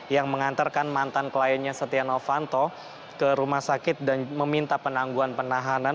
yang mengantarkan mantan kliennya setia novanto ke rumah sakit dan meminta penangguhan penahanan